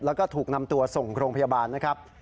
แล้วก็ถูกนำตัวส่งโรงพยาบาลนะครับ